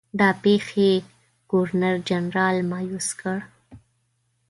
دا پیښې ګورنرجنرال مأیوس کړ.